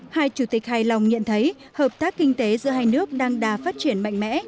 hai chủ tịch hài lòng nhận thấy hợp tác kinh tế giữa hai nước đang đà phát triển mạnh mẽ